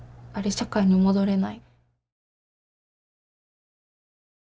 社会に戻れない」。